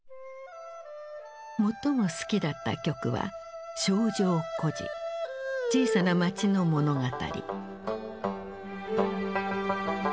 最も好きだった曲は「小城故事」小さな町の物語。